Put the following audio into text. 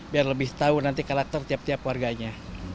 biar lebih tahu nanti karakter tiap tiap warganya